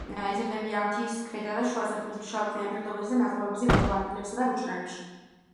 იზრდებიან მთის ქვედა და შუა სარტყლის მშრალ ქვიან ფერდობებზე, ნაზვავებზე, კლდოვან ადგილებსა და ბუჩქნარებში.